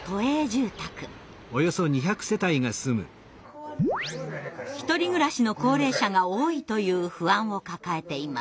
こちらは独り暮らしの高齢者が多いという不安を抱えています。